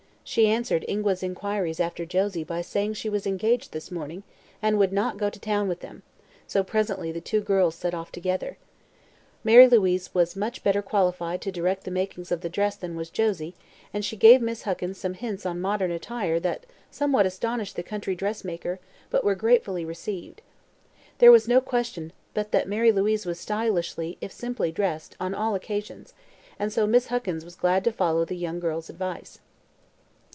She answered Ingua's inquiries after Josie by saying she was engaged this morning and would not go to town with them, so presently the two girls set off together. Mary Louise was much better qualified to direct the making of the new dress than was Josie, and she gave Miss Huckins some hints on modern attire that somewhat astonished the country dressmaker but were gratefully received. There was no question but that Mary Louise was stylishly, if simply, dressed on all occasions, and so Miss Huckins was glad to follow the young girl's advice.